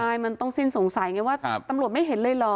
ใช่มันต้องสิ้นสงสัยไงว่าตำรวจไม่เห็นเลยเหรอ